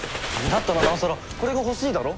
だったらなおさらこれが欲しいだろ？